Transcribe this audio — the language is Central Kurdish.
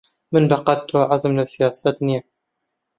من بەقەد تۆ حەزم لە سیاسەت نییە.